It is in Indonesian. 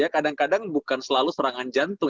kadang kadang bukan selalu serangan jantung